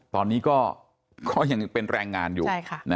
ตอนนี้ก็ยังเป็นแรงงานอยู่